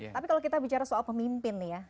tapi kalau kita bicara soal pemimpin nih ya